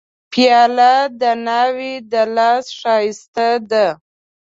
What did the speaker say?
پیاله د ناوې د لاس ښایسته ده.